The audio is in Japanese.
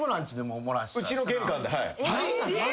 うちの玄関ではい。